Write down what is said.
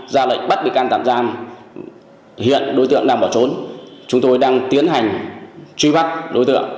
ra lệnh bắt bị can tạm giam hiện đối tượng đang bỏ trốn chúng tôi đang tiến hành truy bắt đối tượng